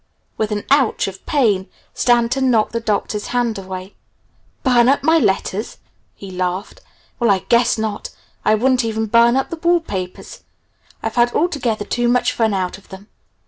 With an "Ouch," of pain Stanton knocked the Doctor's hands away. "Burn up my letters?" he laughed. "Well, I guess not! I wouldn't even burn up the wall papers. I've had altogether too much fun out of them.